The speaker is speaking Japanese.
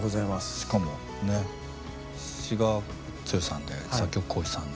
しかもね詞が剛さんで作曲光一さんで。